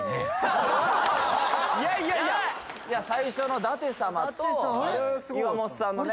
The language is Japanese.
いやいやいや最初の舘様と岩本さんのね